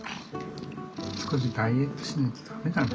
少しダイエットしないと駄目だね